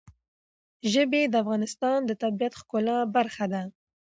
ژبې د افغانستان د طبیعت د ښکلا برخه ده.